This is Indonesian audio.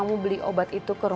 iya biar begitu